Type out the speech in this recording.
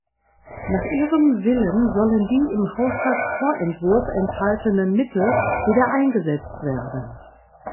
Nach ihrem Willen sollen die im Haushaltsvorentwurf enthaltenen Mittel wieder eingesetzt werden.